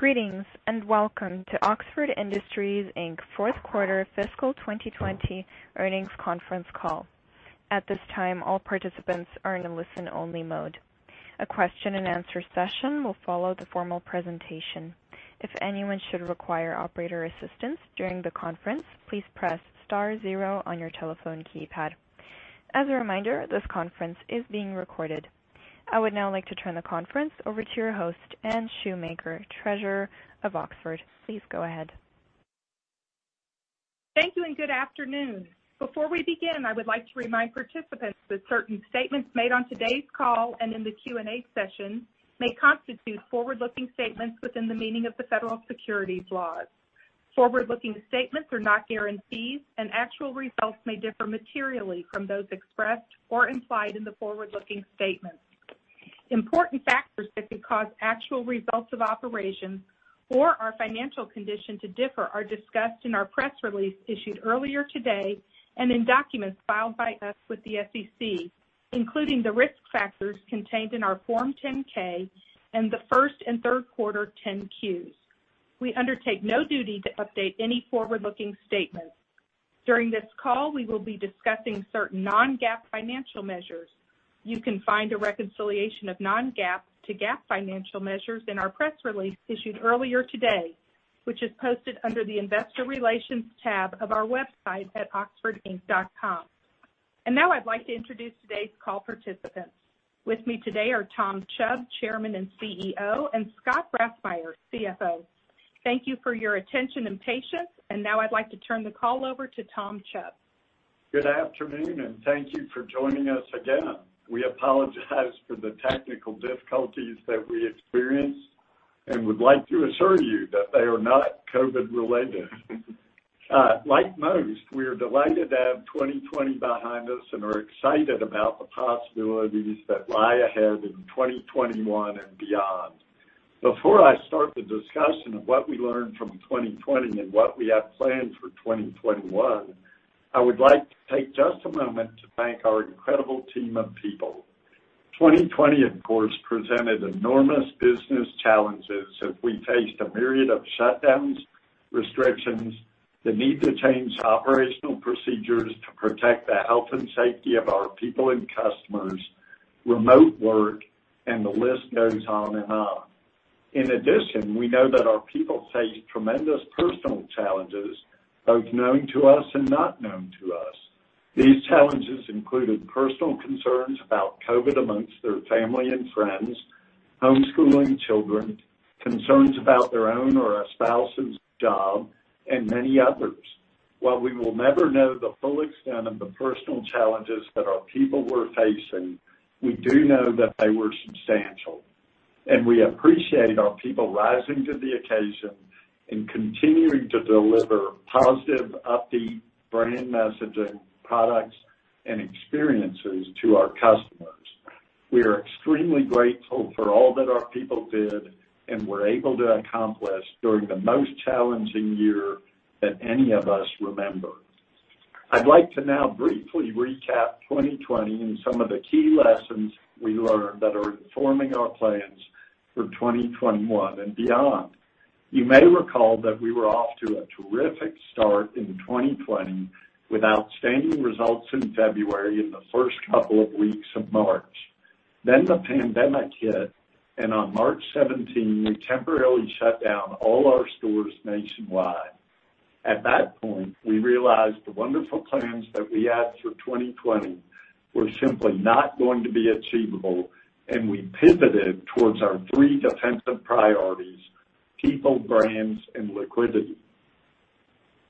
Greetings, and welcome to Oxford Industries Inc.'s fourth quarter fiscal 2020 earnings conference call. At this time, all participants are in listen only mode. A question and answer session will follow the formal presentation. If anyone should require operator assistance during the conference, please press star zero on your telephone keypad. As a reminder, this conference is being recorded. I would now like to turn the conference over to your host, Anne Shoemaker, Treasurer of Oxford. Please go ahead. Thank you and good afternoon. Before we begin, I would like to remind participants that certain statements made on today's call and in the Q&A session may constitute forward-looking statements within the meaning of the federal securities laws. Forward-looking statements are not guarantees, and actual results may differ materially from those expressed or implied in the forward-looking statements. Important factors that could cause actual results of operations or our financial condition to differ are discussed in our press release issued earlier today, and in documents filed by us with the SEC, including the risk factors contained in our Form 10-K and the first and third quarter 10-Qs. We undertake no duty to update any forward-looking statement. During this call, we will be discussing certain non-GAAP financial measures. You can find a reconciliation of non-GAAP to GAAP financial measures in our press release issued earlier today, which is posted under the investor relations tab of our website at oxfordinc.com. Now I'd like to introduce today's call participants. With me today are Tom Chubb, Chairman and Chief Executive Officer, and Scott Grassmyer, Chief Financial Officer. Thank you for your attention and patience, now I'd like to turn the call over to Tom Chubb. Good afternoon. Thank you for joining us again. We apologize for the technical difficulties that we experienced and would like to assure you that they are not COVID related. Like most, we are delighted to have 2020 behind us and are excited about the possibilities that lie ahead in 2021 and beyond. Before I start the discussion of what we learned from 2020 and what we have planned for 2021, I would like to take just a moment to thank our incredible team of people. 2020, of course, presented enormous business challenges as we faced a myriad of shutdowns, restrictions, the need to change operational procedures to protect the health and safety of our people and customers, remote work, and the list goes on and on. In addition, we know that our people faced tremendous personal challenges, both known to us and not known to us. These challenges included personal concerns about COVID amongst their family and friends, homeschooling children, concerns about their own or a spouse's job, and many others. While we will never know the full extent of the personal challenges that our people were facing, we do know that they were substantial, and we appreciate our people rising to the occasion and continuing to deliver positive, upbeat brand messaging, products, and experiences to our customers. We are extremely grateful for all that our people did and were able to accomplish during the most challenging year that any of us remember. I'd like to now briefly recap 2020 and some of the key lessons we learned that are informing our plans for 2021 and beyond. You may recall that we were off to a terrific start in 2020 with outstanding results in February and the first couple of weeks of March. The pandemic hit, and on March 17, we temporarily shut down all our stores nationwide. At that point, we realized the wonderful plans that we had for 2020 were simply not going to be achievable, and we pivoted towards our three defensive priorities: people, brands, and liquidity.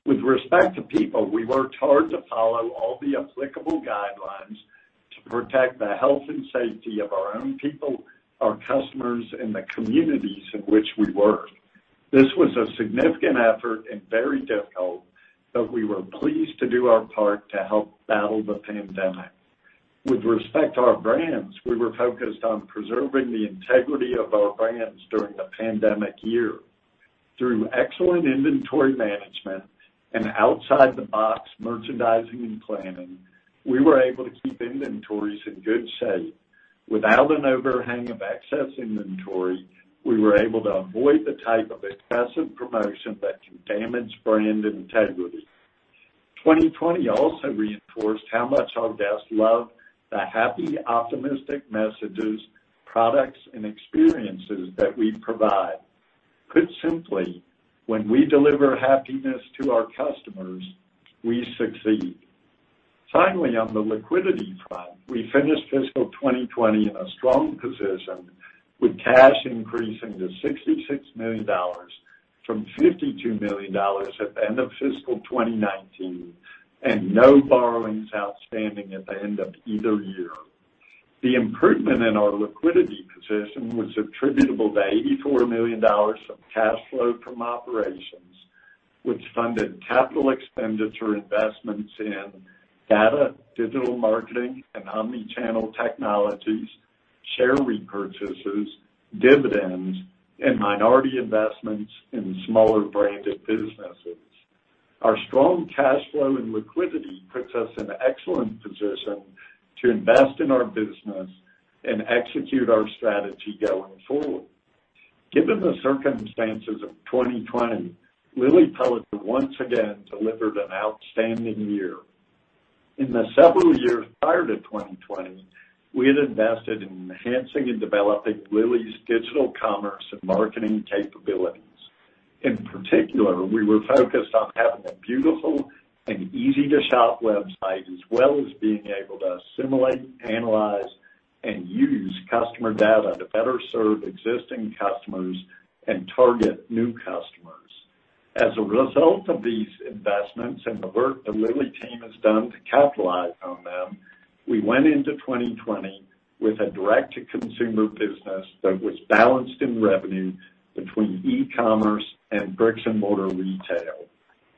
With respect to people, we worked hard to follow all the applicable guidelines to protect the health and safety of our own people, our customers, and the communities in which we work. This was a significant effort and very difficult, but we were pleased to do our part to help battle the pandemic. With respect to our brands, we were focused on preserving the integrity of our brands during the pandemic year. Through excellent inventory management and outside-the-box merchandising and planning, we were able to keep inventories in good shape. Without an overhang of excess inventory, we were able to avoid the type of excessive promotion that can damage brand integrity. 2020 also reinforced how much our guests love the happy, optimistic messages, products, and experiences that we provide. Put simply, when we deliver happiness to our customers, we succeed. Finally, on the liquidity front, we finished fiscal 2020 in a strong position with cash increasing to $66 million from $52 million at the end of fiscal 2019, and no borrowings outstanding at the end of either year. The improvement in our liquidity position was attributable to $84 million of cash flow from operations, which funded capital expenditure investments in data, digital marketing, and omni-channel technologies, share repurchases, dividends, and minority investments in smaller branded businesses. Our strong cash flow and liquidity puts us in an excellent position to invest in our business and execute our strategy going forward. Given the circumstances of 2020, Lilly Pulitzer once again delivered an outstanding year. In the several years prior to 2020, we had invested in enhancing and developing Lilly's digital commerce and marketing capabilities. In particular, we were focused on having a beautiful and easy-to-shop website, as well as being able to assimilate, analyze, and use customer data to better serve existing customers and target new customers. As a result of these investments and the work the Lilly team has done to capitalize on them, we went into 2020 with a direct-to-consumer business that was balanced in revenue between e-commerce and bricks-and-mortar retail.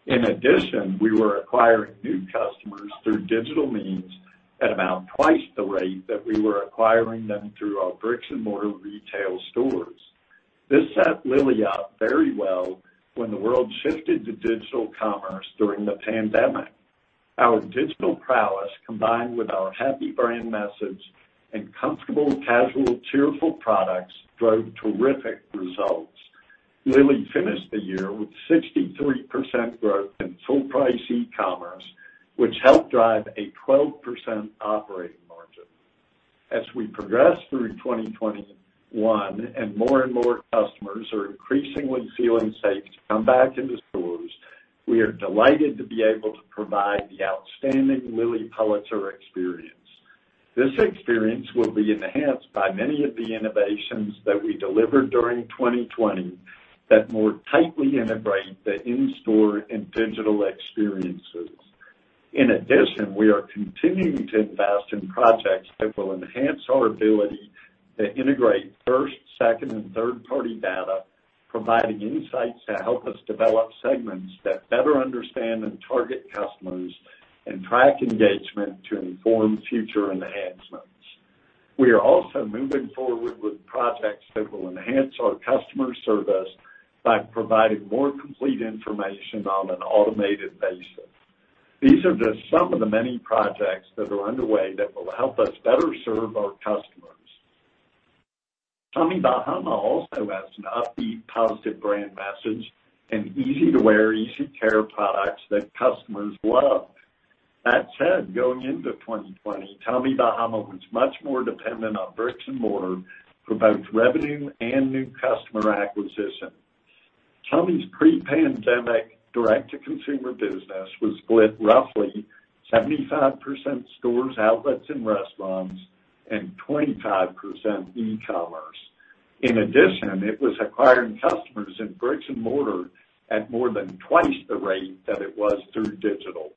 In addition, we were acquiring new customers through digital means at about twice the rate that we were acquiring them through our bricks-and-mortar retail stores. This set Lilly up very well when the world shifted to digital commerce during the pandemic. Our digital prowess, combined with our happy brand message and comfortable, casual, cheerful products, drove terrific results. Lilly finished the year with 63% growth in full price e-commerce, which helped drive a 12% operating margin. As we progress through 2021 and more and more customers are increasingly feeling safe to come back into stores, we are delighted to be able to provide the outstanding Lilly Pulitzer experience. This experience will be enhanced by many of the innovations that we delivered during 2020 that more tightly integrate the in-store and digital experiences. In addition, we are continuing to invest in projects that will enhance our ability to integrate first, second, and third-party data, providing insights to help us develop segments that better understand and target customers and track engagement to inform future enhancements. We are also moving forward with projects that will enhance our customer service by providing more complete information on an automated basis. These are just some of the many projects that are underway that will help us better serve our customers. Tommy Bahama also has an upbeat, positive brand message and easy-to-wear, easy-care products that customers love. That said, going into 2020, Tommy Bahama was much more dependent on bricks and mortar for both revenue and new customer acquisition. Tommy's pre-pandemic direct-to-consumer business was split roughly 75% stores, outlets, and restaurants and 25% e-commerce. In addition, it was acquiring customers in bricks and mortar at more than twice the rate that it was through digital.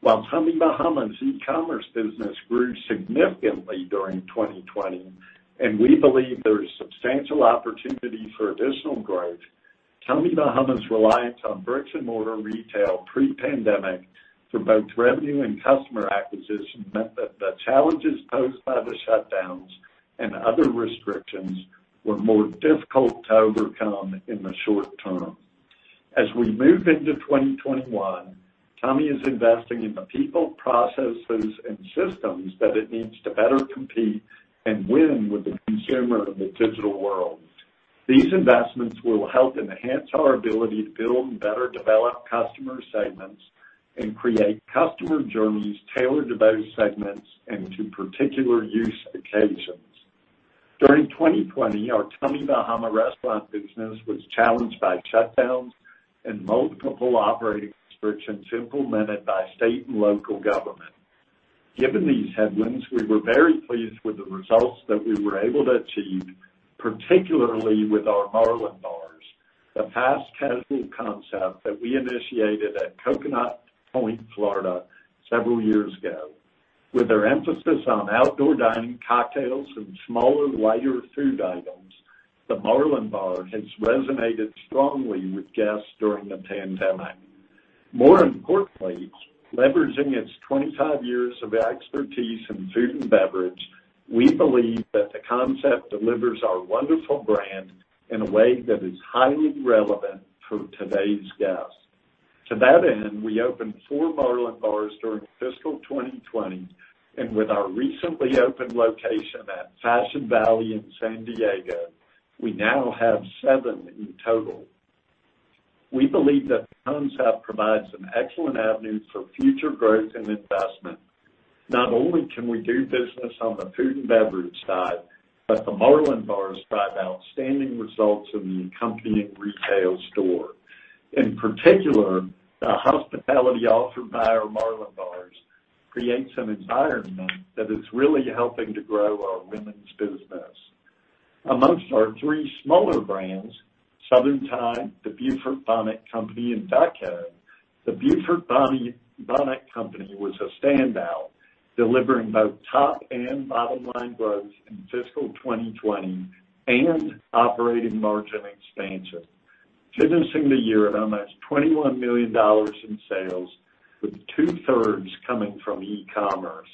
While Tommy Bahama's e-commerce business grew significantly during 2020, and we believe there is substantial opportunity for additional growth, Tommy Bahama's reliance on bricks-and-mortar retail pre-pandemic for both revenue and customer acquisition meant that the challenges posed by the shutdowns and other restrictions were more difficult to overcome in the short term. As we move into 2021, Tommy is investing in the people, processes, and systems that it needs to better compete and win with the consumer in the digital world. These investments will help enhance our ability to build better developed customer segments and create customer journeys tailored to those segments and to particular use occasions. During 2020, our Tommy Bahama restaurant business was challenged by shutdowns and multiple operating restrictions implemented by state and local government. Given these headwinds, we were very pleased with the results that we were able to achieve, particularly with our Marlin Bars, a fast casual concept that we initiated at Coconut Point, Florida, several years ago. With their emphasis on outdoor dining, cocktails, and smaller lighter food items, the Marlin Bar has resonated strongly with guests during the pandemic. More importantly, leveraging its 25 years of expertise in food and beverage, we believe that the concept delivers our wonderful brand in a way that is highly relevant for today's guests. To that end, we opened four Marlin Bars during fiscal 2020, and with our recently opened location at Fashion Valley in San Diego, we now have seven in total. We believe that the concept provides an excellent avenue for future growth and investment. Not only can we do business on the food and beverage side, but the Marlin Bars drive outstanding results in the accompanying retail store. In particular, the hospitality offered by our Marlin Bars creates an environment that is really helping to grow our women's business. Amongst our three smaller brands, Southern Tide, The Beaufort Bonnet Company, and Duck Head, The Beaufort Bonnet Company was a standout, delivering both top and bottom-line growth in fiscal 2020 and operating margin expansion. Finishing the year at almost $21 million in sales, with two-thirds coming from e-commerce.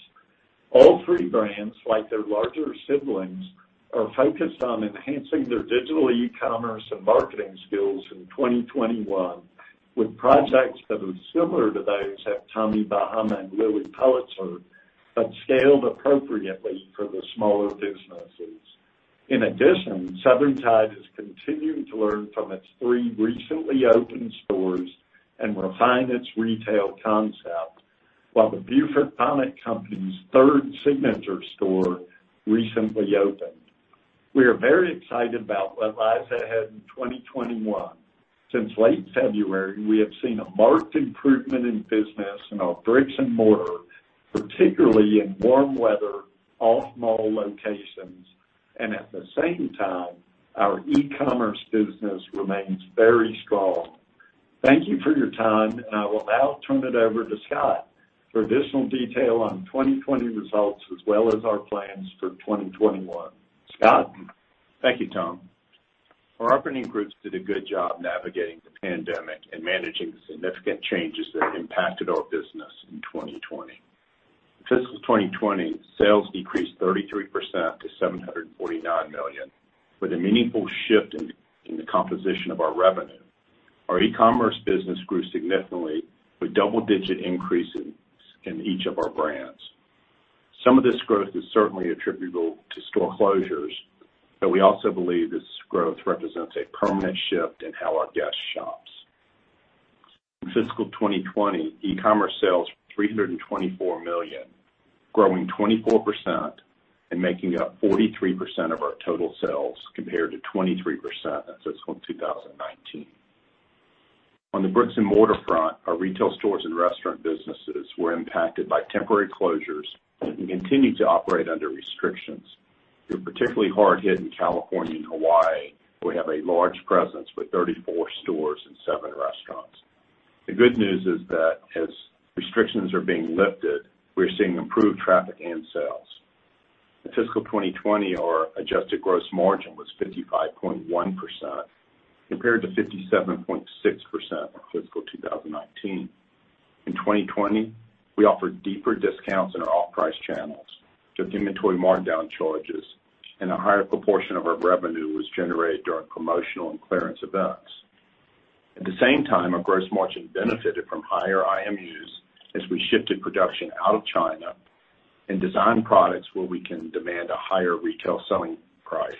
All three brands, like their larger siblings, are focused on enhancing their digital e-commerce and marketing skills in 2021 with projects that are similar to those at Tommy Bahama and Lilly Pulitzer, but scaled appropriately for the smaller businesses. In addition, Southern Tide is continuing to learn from its three recently opened stores and refine its retail concept, while the Beaufort Bonnet Company's third signature store recently opened. We are very excited about what lies ahead in 2021. Since late February, we have seen a marked improvement in business in our bricks and mortar, particularly in warm weather, off-mall locations, and at the same time, our e-commerce business remains very strong. Thank you for your time, and I will now turn it over to Scott for additional detail on 2020 results as well as our plans for 2021. Scott? Thank you, Tom. Our operating groups did a good job navigating the pandemic and managing the significant changes that impacted our business in 2020. Fiscal 2020, sales decreased 33% to $749 million, with a meaningful shift in the composition of our revenue. Our e-commerce business grew significantly with double-digit increases in each of our brands. Some of this growth is certainly attributable to store closures, but we also believe this growth represents a permanent shift in how our guest shops. In fiscal 2020, e-commerce sales, $324 million, growing 24% and making up 43% of our total sales, compared to 23% in fiscal 2019. On the bricks-and-mortar front, our retail stores and restaurant businesses were impacted by temporary closures and continue to operate under restrictions. We were particularly hard hit in California and Hawaii. We have a large presence with 34 stores and seven restaurants. The good news is that as restrictions are being lifted, we're seeing improved traffic and sales. In fiscal 2020, our adjusted gross margin was 55.1% compared to 57.6% in fiscal 2019. In 2020, we offered deeper discounts in our off-price channels, took inventory markdown charges, and a higher proportion of our revenue was generated during promotional and clearance events. At the same time, our gross margin benefited from higher IMUs as we shifted production out of China and designed products where we can demand a higher retail selling price,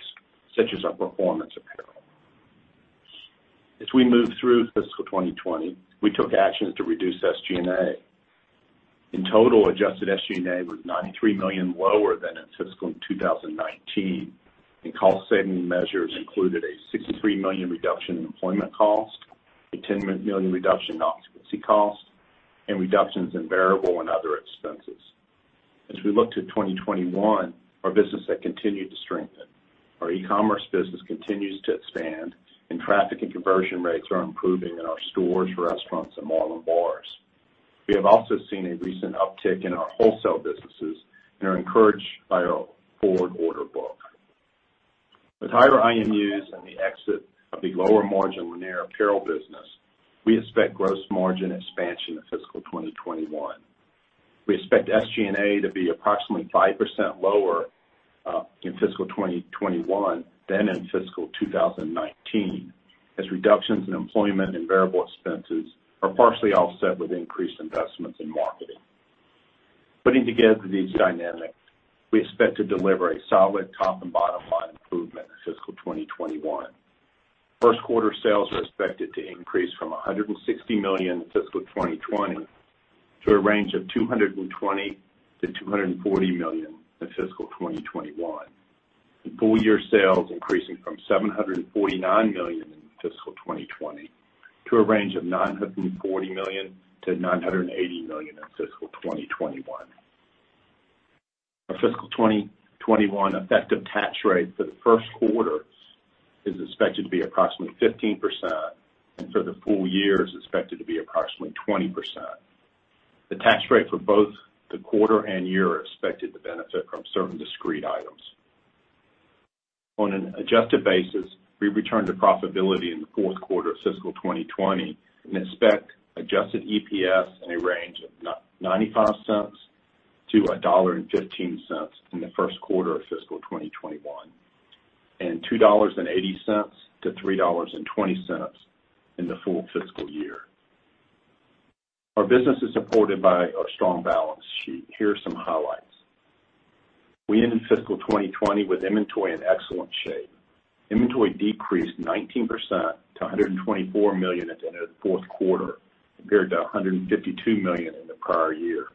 such as our performance apparel. As we moved through fiscal 2020, we took actions to reduce SG&A. In total, adjusted SG&A was $93 million lower than in fiscal 2019, and cost-saving measures included a $63 million reduction in employment cost, a $10 million reduction in occupancy cost, and reductions in variable and other expenses. As we look to 2021, our business had continued to strengthen. Our e-commerce business continues to expand, and traffic and conversion rates are improving in our stores, restaurants, and Marlin Bars. We have also seen a recent uptick in our wholesale businesses and are encouraged by our forward order book. With higher IMUs and the exit of the lower margin Lanier Apparel business, we expect gross margin expansion in fiscal 2021. We expect SG&A to be approximately 5% lower in fiscal 2021 than in fiscal 2019, as reductions in employment and variable expenses are partially offset with increased investments in marketing. Putting together these dynamics, we expect to deliver a solid top and bottom-line improvement in fiscal 2021. First quarter sales are expected to increase from $160 million in fiscal 2020 to a range of $220 million-$240 million in fiscal 2021. Full-year sales increasing from $749 million in fiscal 2020 to a range of $940 million-$980 million in fiscal 2021. Our fiscal 2021 effective tax rate for the first quarter is expected to be approximately 15% and for the full year is expected to be approximately 20%. The tax rate for both the quarter and year are expected to benefit from certain discrete items. On an adjusted basis, we returned to profitability in the fourth quarter of fiscal 2020 and expect adjusted EPS in a range of $0.95-$1.15 in the first quarter of fiscal 2021, and $2.80-$3.20 in the full fiscal year. Our business is supported by our strong balance sheet. Here are some highlights. We ended fiscal 2020 with inventory in excellent shape. Inventory decreased 19% to $124 million at the end of the fourth quarter compared to $152 million in the prior year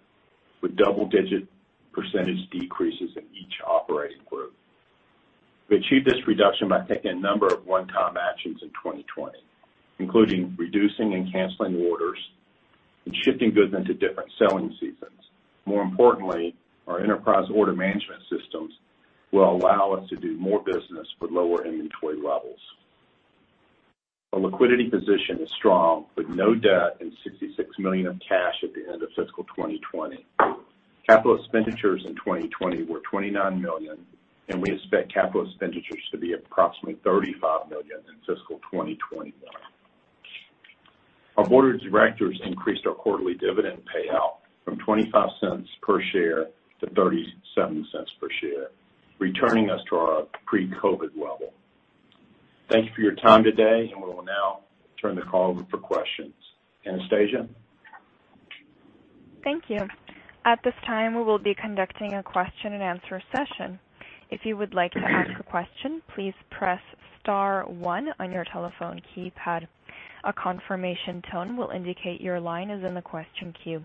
with double-digit percentage decreases in each operating group. We achieved this reduction by taking a number of one-time actions in 2020, including reducing and canceling orders and shifting goods into different selling seasons. More importantly, our enterprise order management systems will allow us to do more business with lower inventory levels. Our liquidity position is strong with no debt and $66 million of cash at the end of fiscal 2020. Capital expenditures in 2020 were $29 million, and we expect capital expenditures to be approximately $35 million in fiscal 2021. Our board of directors increased our quarterly dividend payout from $0.25 per share to $0.37 per share, returning us to our pre-COVID level. Thank you for your time today, and we will now turn the call over for questions. Anastasia? Thank you. At this time, we will be conducting a question and answer session. If you would like to ask a question, please press star one on your telephone keypad. A confirmation tone will indicate your line is in the question queue.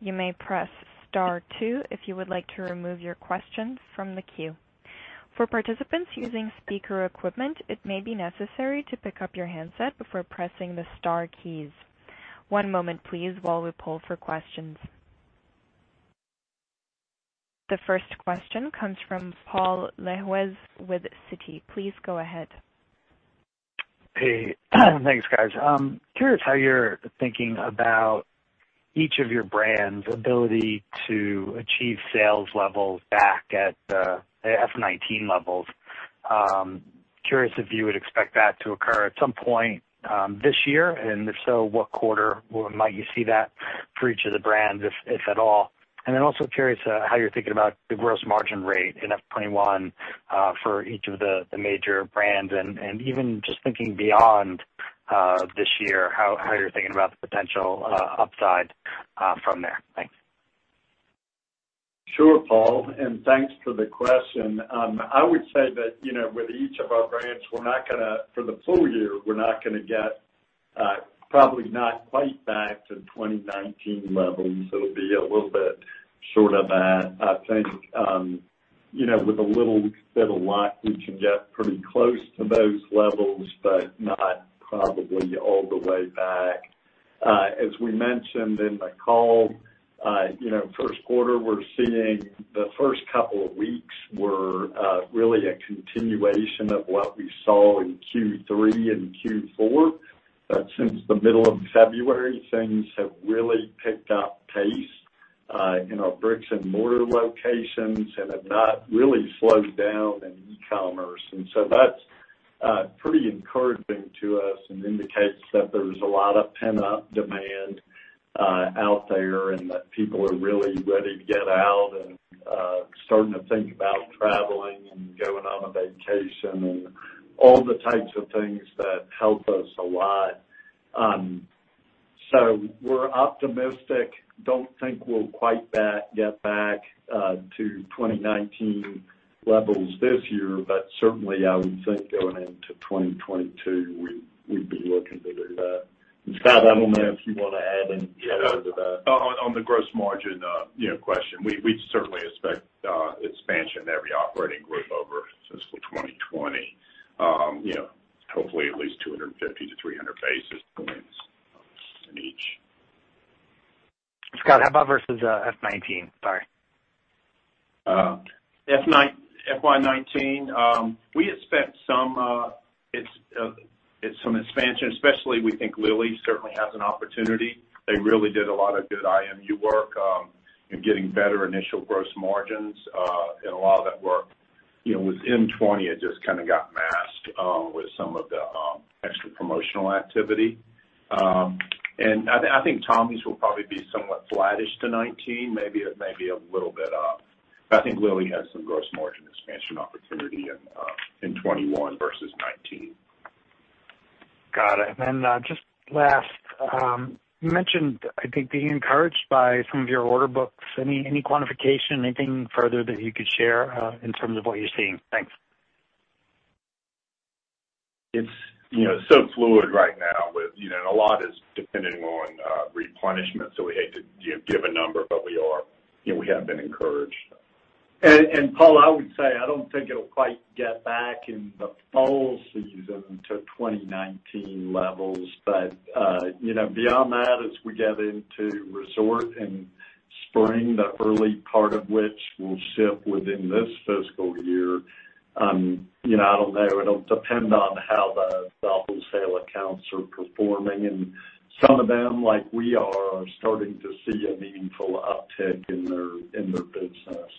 You may press star two if you would like to remove your question from the queue. For participants using speaker equipment, it may be necessary to pick up your handset before pressing the star keys. One moment please while we poll for questions. The first question comes from Paul Lejuez with Citigroup. Please go ahead. Hey. Thanks, guys. Curious how you're thinking about each of your brands' ability to achieve sales levels back at the FY 2019 levels. Curious if you would expect that to occur at some point this year, and if so, what quarter might you see that for each of the brands, if at all? Then also curious how you're thinking about the gross margin rate in FY 2021 for each of the major brands and even just thinking beyond this year, how you're thinking about the potential upside from there. Thanks. Sure, Paul, and thanks for the question. I would say that, with each of our brands, for the full year, we're not going to get probably not quite back to 2019 levels. It'll be a little bit short of that. I think, with a little bit of luck, we can get pretty close to those levels, but not probably all the way back. As we mentioned in the call, first quarter we're seeing the first couple of weeks were really a continuation of what we saw in Q3 and Q4. Since the middle of February, things have really picked up pace in our bricks and mortar locations and have not really slowed down in e-commerce. That's pretty encouraging to us and indicates that there's a lot of pent-up demand out there and that people are really ready to get out and starting to think about traveling and going on a vacation and all the types of things that help us a lot. We're optimistic. Don't think we'll quite get back to 2019 levels this year, but certainly I would think going into 2022, we'd be looking to do that. Scott, I don't know if you want to add any color to that. Yeah. On the gross margin question, we'd certainly expect expansion in every operating group over fiscal 2020. Hopefully at least 250-300 basis points in each. Scott, how about versus FY 2019? Sorry. FY 2019, we expect some expansion, especially we think Lilly certainly has an opportunity. They really did a lot of good IMU work in getting better initial gross margins. A lot of that work within 2020, it just kind of got masked with some of the extra promotional activity. I think Tommy's will probably be somewhat flattish to 2019, maybe a little bit up. I think Lilly has some gross margin expansion opportunity in 2021 versus 2019. Got it. Just last, you mentioned, I think, being encouraged by some of your order books. Any quantification, anything further that you could share in terms of what you're seeing? Thanks. It's so fluid right now. A lot is dependent on replenishment, so we hate to give a number, but we have been encouraged. Paul, I would say, I don't think it'll quite get back in the fall season to 2019 levels. Beyond that, as we get into resort and spring, the early part of which will ship within this fiscal year, I don't know. It'll depend on how the wholesale accounts are performing, and some of them, like we are starting to see a meaningful uptick in their business.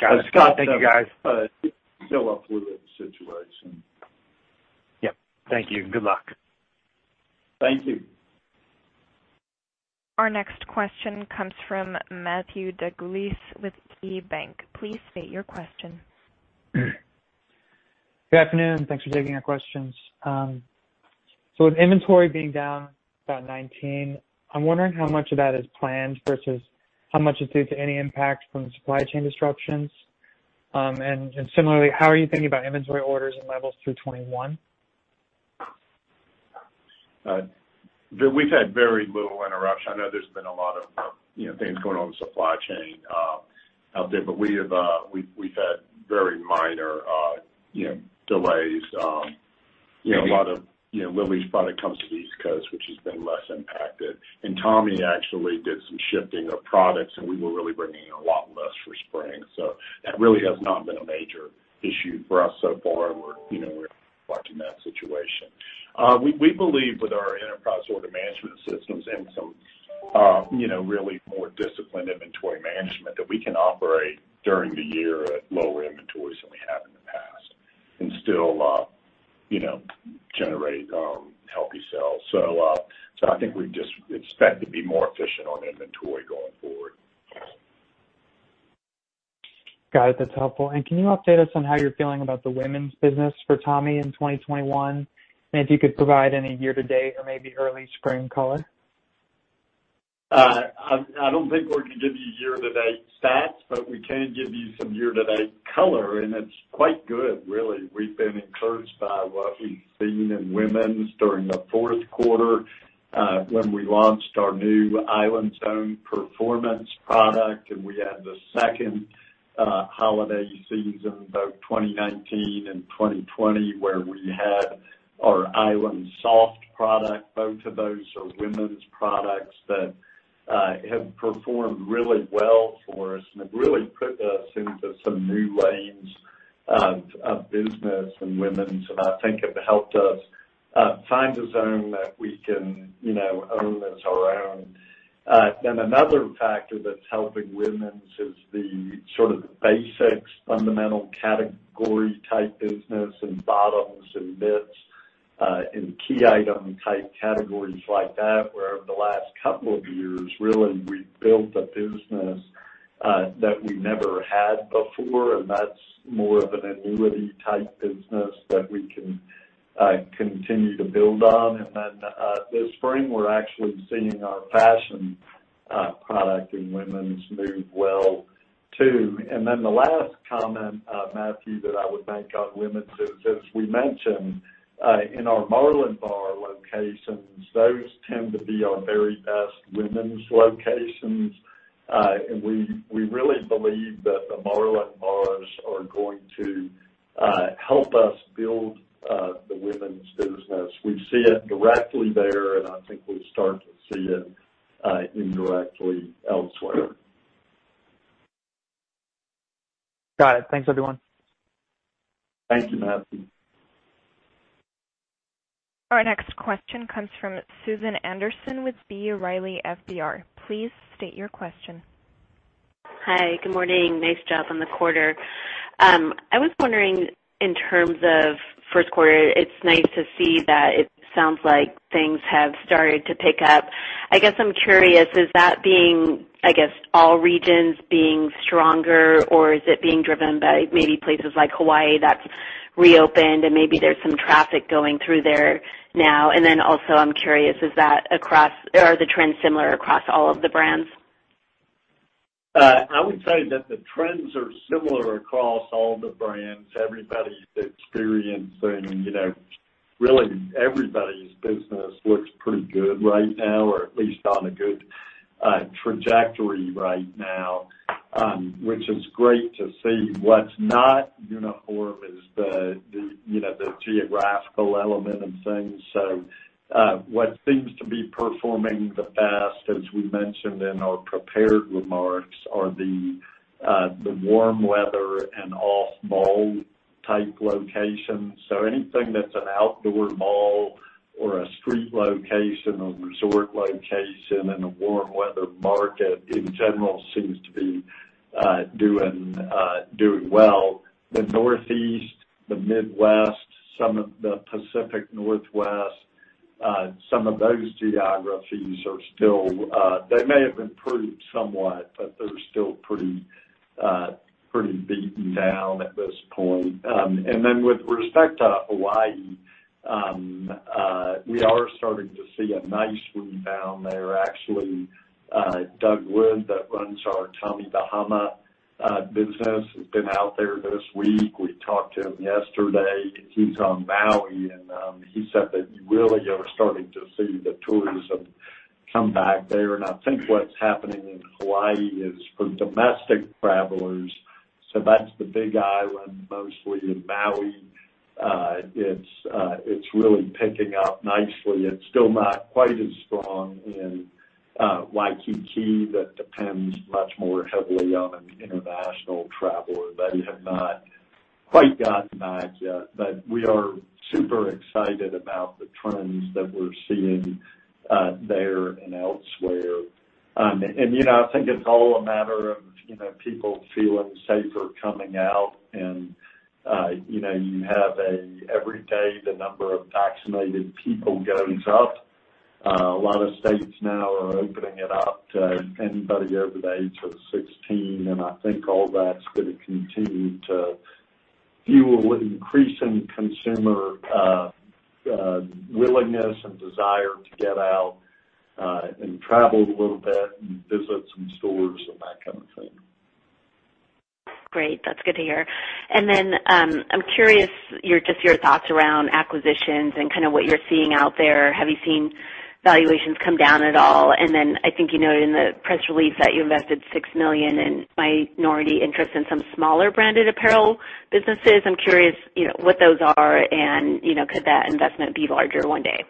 Got it. Scott. Thank you, guys. It's still a fluid situation. Yep. Thank you. Good luck. Thank you. Our next question comes from Matthew DeGulis with KeyBanc. Please state your question. Good afternoon. Thanks for taking our questions. With inventory being down about 19%, I'm wondering how much of that is planned versus how much is due to any impact from the supply chain disruptions. Similarly, how are you thinking about inventory orders and levels through 2021? We've had very little interruption. I know there's been a lot of things going on with supply chain out there, but we've had very minor delays. A lot of Lilly's product comes to the East Coast, which has been less impacted. Tommy actually did some shifting of products, and we were really bringing in a lot less for spring. That really has not been a major issue for us so far. We're watching that situation. We believe with our enterprise order management systems and some really more disciplined inventory management that we can operate during the year at lower inventories than we have and still generate healthy sales. I think we just expect to be more efficient on inventory going forward. Got it. That's helpful. Can you update us on how you're feeling about the women's business for Tommy Bahama in 2021, if you could provide any year-to-date or maybe early spring color. I don't think we can give you year-to-date stats, but we can give you some year-to-date color, and it's quite good, really. We've been encouraged by what we've seen in women's during the fourth quarter, when we launched our new IslandZone performance product, and we had the second holiday season, both 2019 and 2020, where we had our Island Soft product. Both of those are women's products that have performed really well for us and have really put us into some new lanes of business and women's, and I think have helped us find a zone that we can own as our own. Another factor that's helping women's is the basics, fundamental category type business in bottoms and bits, and key item type categories like that, where over the last couple of years, really, we've built a business that we never had before, and that's more of an annuity type business that we can continue to build on. This spring, we're actually seeing our fashion product in women's move well, too. The last comment, Matthew, that I would make on women's is, as we mentioned, in our Marlin Bar locations, those tend to be our very best women's locations. We really believe that the Marlin Bars are going to help us build the women's business. We see it directly there, and I think we'll start to see it indirectly elsewhere. Got it. Thanks, everyone. Thank you, Matthew. Our next question comes from Susan Anderson with B. Riley FBR. Please state your question. Hi, good morning. Nice job on the quarter. I was wondering in terms of first quarter, it's nice to see that it sounds like things have started to pick up. I guess I'm curious, is that being all regions being stronger, or is it being driven by maybe places like Hawaii that's reopened and maybe there's some traffic going through there now? Also I'm curious, are the trends similar across all of the brands? I would say that the trends are similar across all the brands. Everybody's experiencing, really, everybody's business looks pretty good right now, or at least on a good trajectory right now, which is great to see. What's not uniform is the geographical element of things. What seems to be performing the best, as we mentioned in our prepared remarks, are the warm weather and off-mall type locations. Anything that's an outdoor mall or a street location or resort location in a warm weather market, in general seems to be doing well. The Northeast, the Midwest, some of the Pacific Northwest, some of those geographies are still they may have improved somewhat, but they're still pretty beaten down at this point. With respect to Hawaii, we are starting to see a nice rebound there. Actually, Douglas Wood, that runs our Tommy Bahama business, has been out there this week. We talked to him yesterday. He's on Maui, and he said that you really are starting to see the tourism come back there. I think what's happening in Hawaii is for domestic travelers. That's the Big Island, mostly in Maui. It's really picking up nicely. It's still not quite as strong in Waikiki. That depends much more heavily on international travel, and they have not quite gotten back yet. We are super excited about the trends that we're seeing there and elsewhere. I think it's all a matter of people feeling safer coming out and you have every day, the number of vaccinated people goes up. A lot of states now are opening it up to anybody over the age of 16, and I think all that's going to continue to fuel increasing consumer willingness and desire to get out and travel a little bit and visit some stores and that kind of thing. Great. That's good to hear. I'm curious, just your thoughts around acquisitions and what you're seeing out there. Have you seen valuations come down at all? I think you noted in the press release that you invested $6 million in minority interest in some smaller branded apparel businesses. I'm curious what those are and could that investment be larger one day?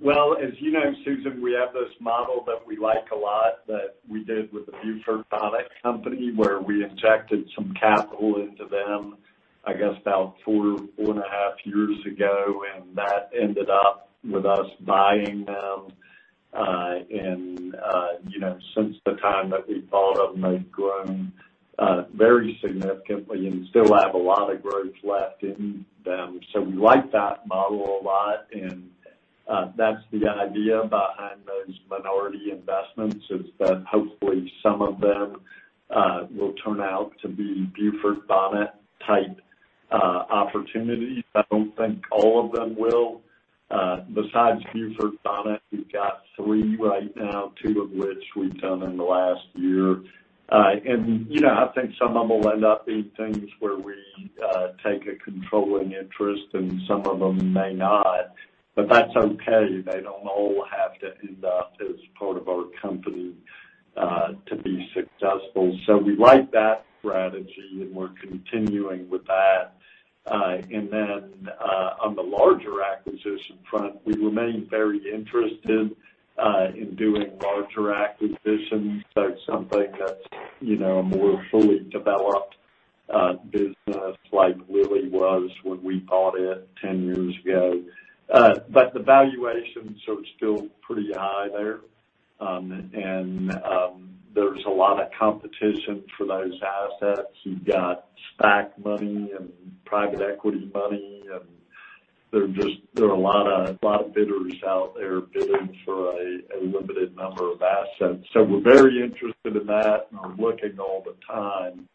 Well, as you know, Susan, we have this model that we like a lot that we did with The Beaufort Bonnet Company, where we injected some capital into them, I guess about four and a half years ago, and that ended up with us buying them. Since the time that we bought them, they've grown very significantly and still have a lot of growth left in them. We like that model a lot, and that's the idea behind those minority investments, is that hopefully some of them will turn out to be Beaufort Bonnet type opportunities. I don't think all of them will. Besides Beaufort Bonnet, we've got three right now, two of which we've done in the last year. I think some of them will end up being things where we take a controlling interest, and some of them may not, but that's okay. They don't all have to end up as part of our company, to be successful. We like that strategy, and we're continuing with that. On the larger acquisition front, we remain very interested in doing larger acquisitions. Something that's a more fully developed business like Lilly was when we bought it 10 years ago. The valuations are still pretty high there. There's a lot of competition for those assets. You've got SPAC money and private equity money, and there are a lot of bidders out there bidding for a limited number of assets. We're very interested in that, and are looking all the time.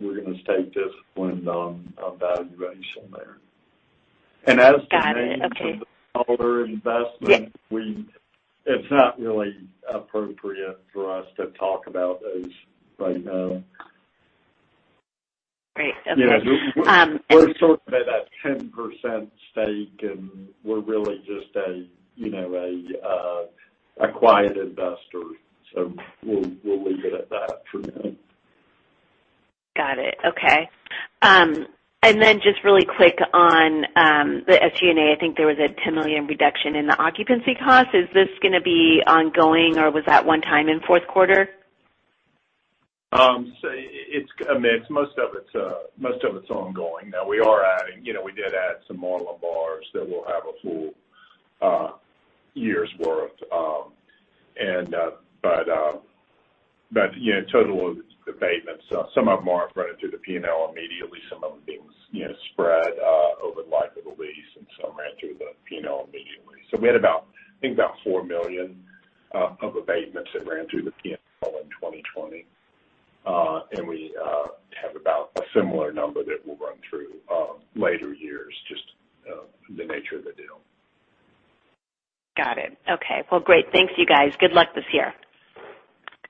We're going to stay disciplined on valuation there. Got it. Okay. Of the other investment. Yeah. It's not really appropriate for us to talk about those right now. Great. Okay. Yeah. We're sort of at a 10% stake, and we're really just a quiet investor, so we'll leave it at that for now. Got it. Okay. Then just really quick on the SG&A, I think there was a $10 million reduction in the occupancy cost. Is this going to be ongoing, or was that one time in fourth quarter? It's a mix. Most of it's ongoing. We did add some more Marlin Bars, so we'll have a full year's worth. Total abatements, some of them are running through the P&L immediately, some of them being spread over the life of the lease, and some ran through the P&L immediately. We had about, I think, about $4 million of abatements that ran through the P&L in 2020. We have about a similar number that will run through later years, just the nature of the deal. Got it. Okay. Well, great. Thanks, you guys. Good luck this year.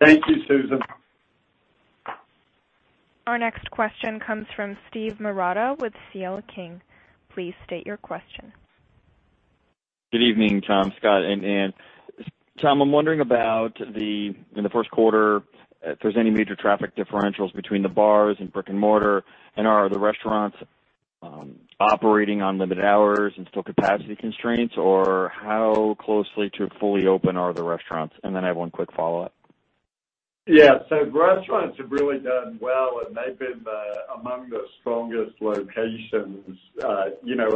Thank you, Susan. Our next question comes from Steve Marotta with C.L. King. Please state your question. Good evening, Tom, Scott and Anne. Tom, I'm wondering about in the first quarter, if there's any major traffic differentials between the Marlin Bars and brick-and-mortar, and are the restaurants operating on limited hours and still capacity constraints, or how closely to fully open are the restaurants? I have one quick follow-up. Restaurants have really done well, and they've been among the strongest locations,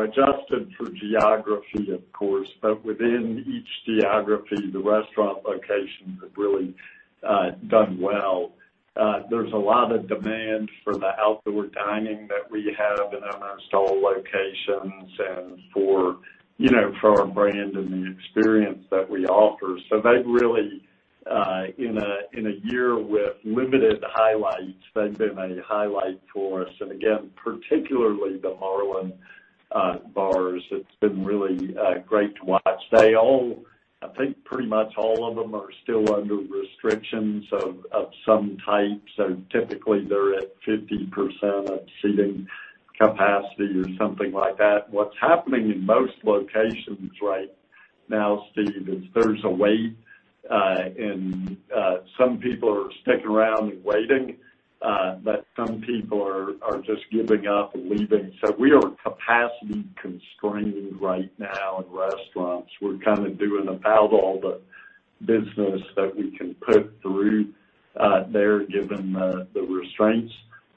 adjusted for geography of course. Within each geography, the restaurant locations have really done well. There's a lot of demand for the outdoor dining that we have in our in-store locations and for our brand and the experience that we offer. They've really, in a year with limited highlights, they've been a highlight for us. Again, particularly the Marlin Bars, it's been really great to watch. I think pretty much all of them are still under restrictions of some type. Typically, they're at 50% of seating capacity or something like that. What's happening in most locations right now, Steve, is there's a wait, and some people are sticking around and waiting, but some people are just giving up and leaving. We are capacity constrained right now in restaurants. We're kind of doing about all the business that we can put through, there, given the restraints.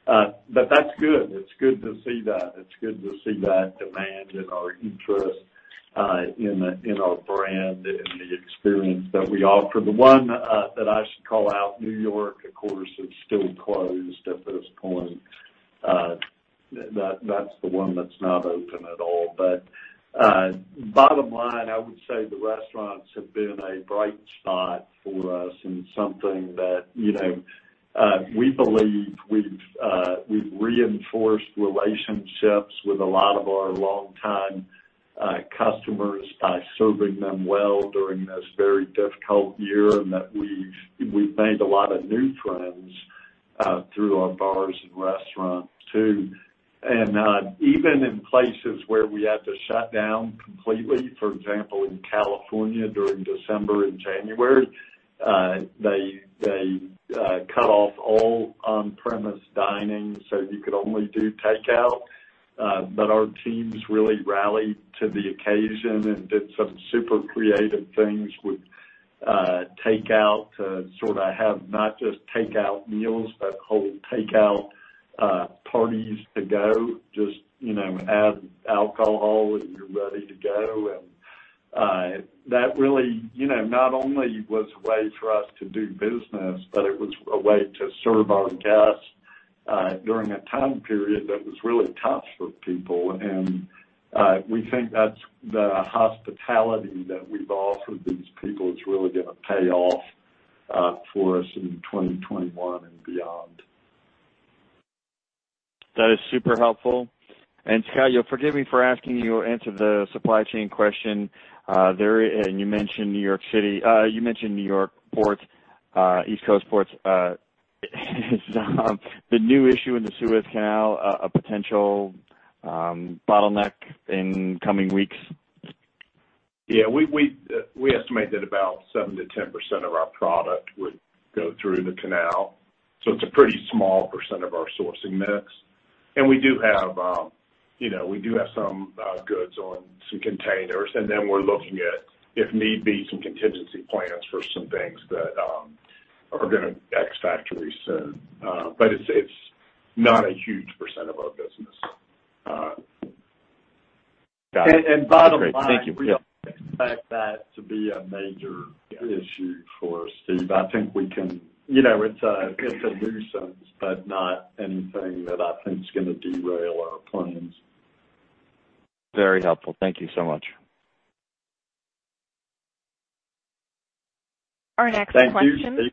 That's good. It's good to see that. It's good to see that demand and/or interest in our brand and the experience that we offer. The one that I should call out, New York, of course, is still closed at this point. That's the one that's not open at all. Bottom line, I would say the restaurants have been a bright spot for us and something that we believe we've reinforced relationships with a lot of our longtime customers by serving them well during this very difficult year, and that we've made a lot of new friends through our bars and restaurants, too. Even in places where we had to shut down completely, for example, in California during December and January, they cut off all on-premise dining, so you could only do takeout. Our teams really rallied to the occasion and did some super creative things with takeout to have not just takeout meals, but whole takeout parties to go. Just add alcohol and you're ready to go. That really not only was a way for us to do business, but it was a way to serve our guests during a time period that was really tough for people. We think that's the hospitality that we've offered these people is really going to pay off for us in 2021 and beyond. That is super helpful. Scott, you'll forgive me for asking you to answer the supply chain question. You mentioned New York ports, East Coast ports. Is the new issue in the Suez Canal a potential bottleneck in coming weeks? Yeah, we estimate that about 7%-10% of our product would go through the canal, so it's a pretty small percent of our sourcing mix. We do have some goods on some containers, and then we're looking at, if need be, some contingency plans for some things that are going to ex-factory soon. It's not a huge percent of our business. Got it. That's great. Thank you. Bottom line, we don't expect that to be a major issue for us, Steve. It's a nuisance, but not anything that I think is going to derail our plans. Very helpful. Thank you so much. Thank you, Steve.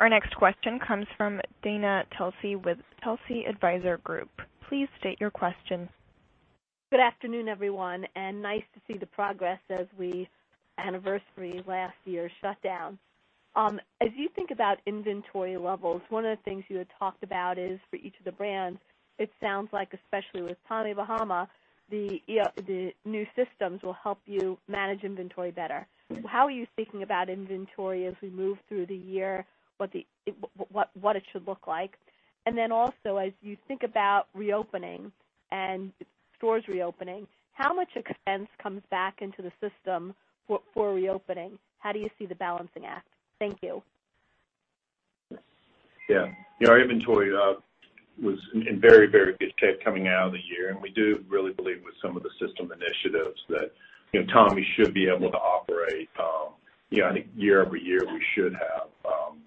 Our next question comes from Dana Telsey with Telsey Advisory Group. Please state your question. Good afternoon, everyone. Nice to see the progress as we anniversary last year's shutdown. As you think about inventory levels, one of the things you had talked about is for each of the brands, it sounds like, especially with Tommy Bahama, the new systems will help you manage inventory better. How are you thinking about inventory as we move through the year? What it should look like? Also, as you think about reopening and stores reopening, how much expense comes back into the system for reopening? How do you see the balancing act? Thank you. Yeah. Our inventory was in very good shape coming out of the year, and we do really believe with some of the system initiatives that Tommy should be able to operate I think YoY, we should have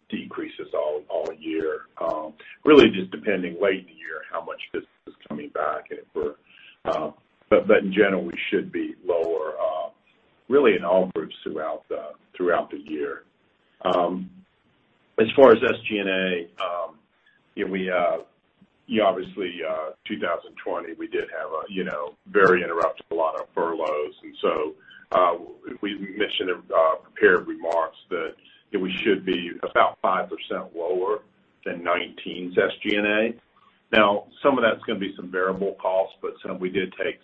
decreases all year. Really just depending late in the year how much business is coming back. In general, we should be lower, really in all groups throughout the year. As far as SG&A, obviously, 2020, we did have a very interrupted, a lot of furloughs. We mentioned in prepared remarks that we should be about 5% lower than 2019's SG&A. Now, some of that's going to be some variable costs, but some we did take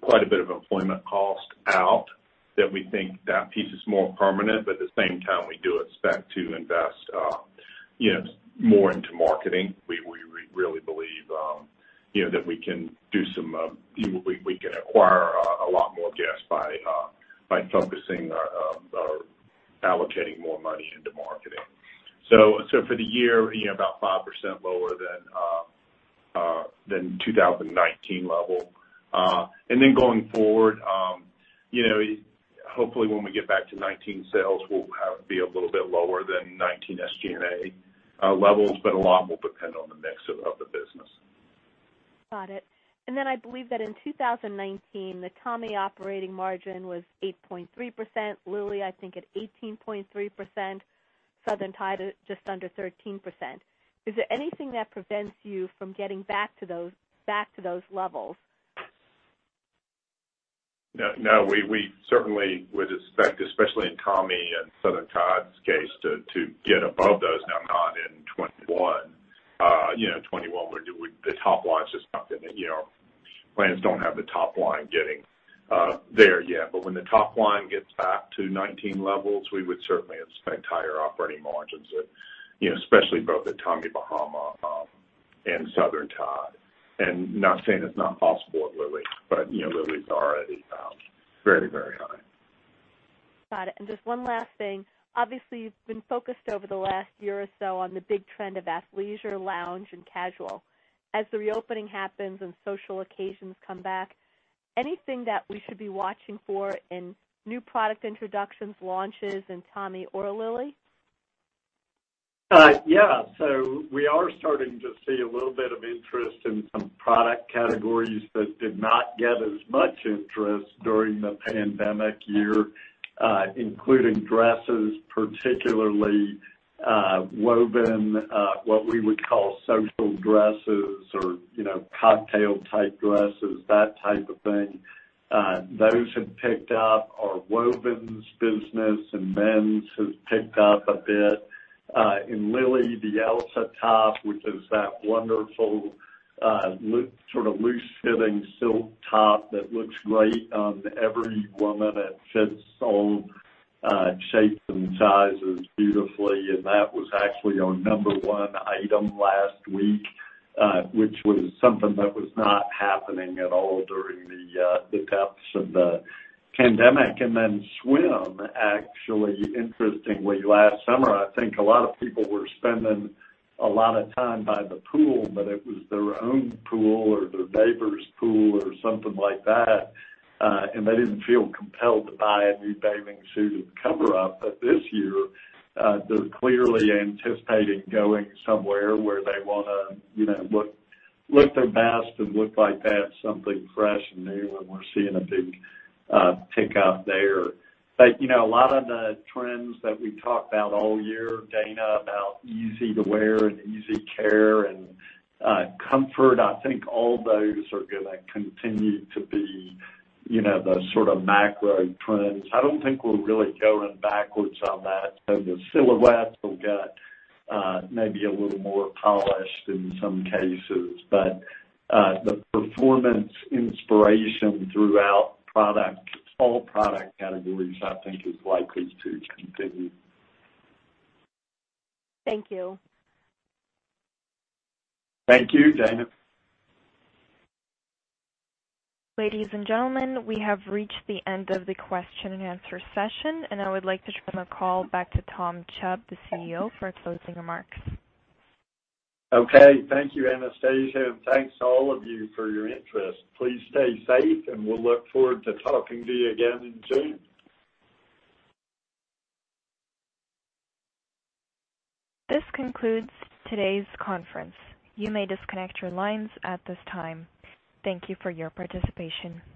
quite a bit of employment cost out that we think that piece is more permanent. At the same time, we do expect to invest more into marketing. We really believe that we can acquire a lot more guests by focusing on allocating more money into marketing. For the year, about 5% lower than 2019 level. Going forward, hopefully when we get back to 2019 sales, we'll be a little bit lower than 2019 SG&A levels, but a lot will depend on the mix of the business. Got it. I believe that in 2019, the Tommy operating margin was 8.3%, Lilly, I think at 18.3%, Southern Tide just under 13%. Is there anything that prevents you from getting back to those levels? No. We certainly would expect, especially in Tommy and Southern Tide's case, to get above those. Not in 2021. 2021, plans don't have the top line getting there yet. When the top line gets back to 2019 levels, we would certainly expect higher operating margins, especially both at Tommy Bahama and Southern Tide. Not saying it's not possible at Lilly, but Lilly's already very high. Got it. Just one last thing. Obviously, you've been focused over the last year or so on the big trend of athleisure, lounge, and casual. As the reopening happens and social occasions come back, anything that we should be watching for in new product introductions, launches in Tommy or Lilly? Yeah. We are starting to see a little bit of interest in some product categories that did not get as much interest during the pandemic year, including dresses, particularly woven, what we would call social dresses or cocktail-type dresses, that type of thing. Those have picked up. Our wovens business and men's has picked up a bit. In Lilly, the Elsa top, which is that wonderful loose-fitting silk top that looks great on every woman and fits all shapes and sizes beautifully. That was actually our number one item last week, which was something that was not happening at all during the depths of the pandemic. Swim, actually, interestingly, last summer, I think a lot of people were spending a lot of time by the pool, but it was their own pool or their neighbor's pool or something like that, and they didn't feel compelled to buy a new bathing suit and cover-up. This year, they're clearly anticipating going somewhere where they want to look their best and look like they have something fresh and new, and we're seeing a big tick up there. A lot of the trends that we talked about all year, Dana, about easy to wear and easy care and comfort, I think all those are going to continue to be the macro trends. I don't think we're really going backwards on that. The silhouettes will get maybe a little more polished in some cases. The performance inspiration throughout all product categories, I think is likely to continue. Thank you. Thank you, Dana. Ladies and gentlemen, we have reached the end of the question and answer session, and I would like to turn the call back to Tom Chubb, the Chief Executive Officer, for closing remarks. Okay. Thank you, Anastasia. Thanks to all of you for your interest. Please stay safe, and we'll look forward to talking to you again in June. This concludes today's conference. You may disconnect your lines at this time. Thank you for your participation.